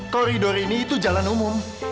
koridor ini itu jalan umum